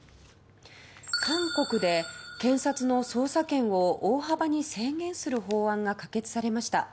韓国で検察の捜査権を、大幅に制限する法案が可決されました。